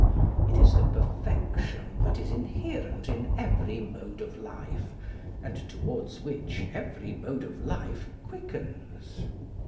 It is the perfection that is inherent in every mode of life, and towards which every mode of life quickens.